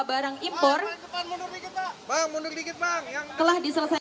barang impor telah diselesaikan